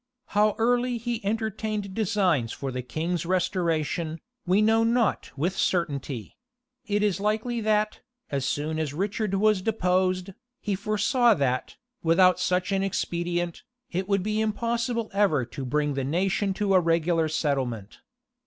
How early he entertained designs for the king's restoration, we know not with certainty: it is likely that, as soon as Richard was deposed, he foresaw that, without such an expedient, it would be impossible ever to bring the nation to a regular settlement.